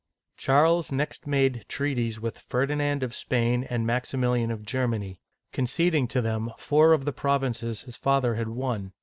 Charles next made treaties with Ferdinand of Spain and Maximilian of Germany, conceding to them four of the provinces his father had won.